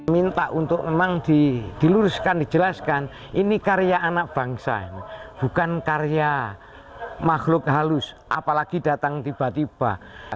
minta untuk memang diluruskan dijelaskan ini karya anak bangsa ini bukan karya makhluk halus apalagi datang tiba tiba